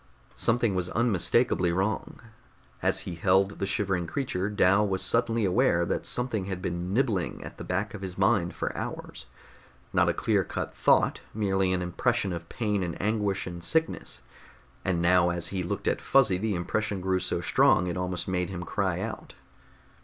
Something was unmistakably wrong. As he held the shivering creature, Dal was suddenly aware that something had been nibbling at the back of his mind for hours. Not a clear cut thought, merely an impression of pain and anguish and sickness, and now as he looked at Fuzzy the impression grew so strong it almost made him cry out.